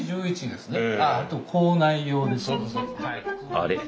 あれ？